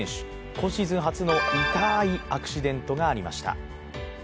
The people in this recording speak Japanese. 今シーズン初の痛ーいアクシデントがありました。